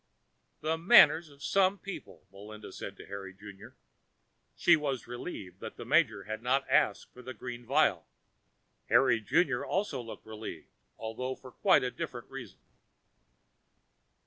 "The manners of some people," Melinda said to Harry Junior. She was relieved that the Major had not asked for the green vial. Harry Junior also looked relieved, although for quite a different reason.